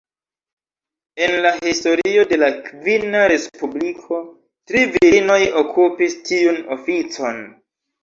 En la historio de la kvina Respubliko, tri virinoj okupis tiun oficon.